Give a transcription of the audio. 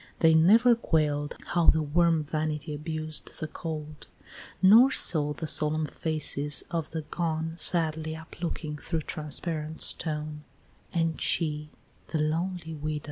They never quail'd How the warm vanity abused the cold; Nor saw the solemn faces of the gone Sadly uplooking through transparent stone: XIV.